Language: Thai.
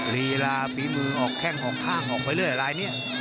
ลีลาฟีมือออกแข้งหอคาออกเว้ยเรื่องอายักลายเนี่ย